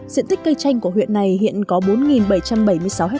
diện tích cây chanh của huyện này hiện có bốn bảy trăm bảy mươi sáu ha